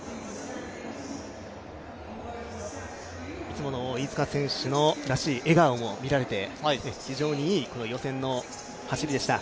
いつもの飯塚選手の、らしい笑顔も見られて、非常にいい予選の走りでした。